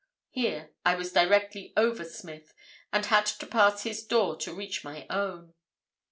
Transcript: Here I was directly over Smith, and had to pass his door to reach my own.